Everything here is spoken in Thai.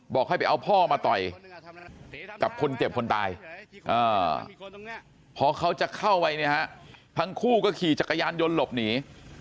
บอกให้ไปเอาพ่อมาต่อยกับคนเจ็บคนตายพอเขาจะเข้าไปเนี่ยฮะทั้งคู่ก็ขี่จักรยานยนต์หลบหนี